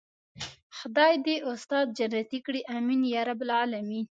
خدای دې استاد جنت کړي آمين يارب العالمين.